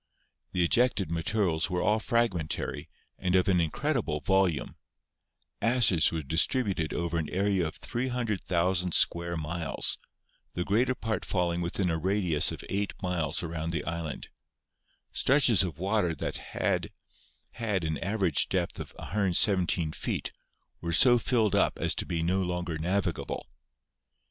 The ejected materials were all fragmentary and of an incredible volume; ashes were distributed over an area of 300,000 square miles, the greater part falling within a radius of eight miles around the island ; stretches of water that had had an average depth of 117 feet were so filled up as to be no longer navigable.